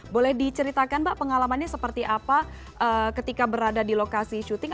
boleh diceritakan mbak pengalamannya seperti apa ketika berada di lokasi syuting